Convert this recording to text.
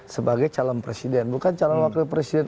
sebagai calon presiden bukan calon wakil presiden